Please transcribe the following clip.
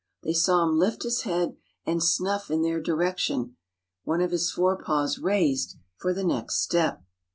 They saw him lift his head and snuff in their direction, one of his fore paws raised for the next step.